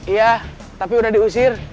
iya tapi udah diusir